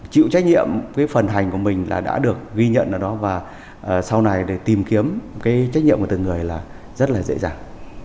chịu trách nhiệm cái phần hành của mình là đã được ghi nhận ở đó và sau này để tìm kiếm cái trách nhiệm của từng người là rất là dễ dàng